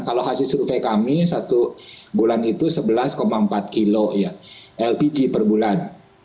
kalau hasil survei kami satu bulan itu sebelas empat kilo ya lpg per bulan